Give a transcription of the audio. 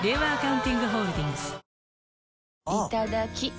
いただきっ！